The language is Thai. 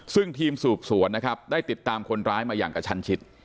ซึ่งทีมสืบสวนนะครับได้ติดตามคนร้ายมาอย่างกับชั้นชิด